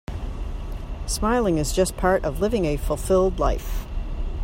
Smiling is just part of living a fulfilled life.